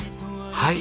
はい。